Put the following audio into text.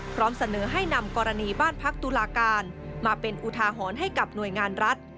พร้อมเสนอให้นำกรณีบ้านพักตุลาการมาเป็นอุทาหรณ์ให้กับหน่วยงานรัฐ